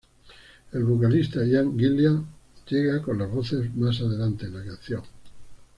El vocalista Ian Gillan llega con las voces más adelante en la canción.